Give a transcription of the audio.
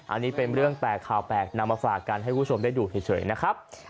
อันนี้เป็นเรื่องแปลกข่าวแปลกนำมาฝากกันให้คุณผู้ชมได้ดูเฉยนะครับ